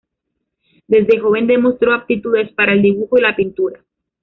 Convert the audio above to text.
Desde joven demostró aptitudes para el dibujo y la pintura.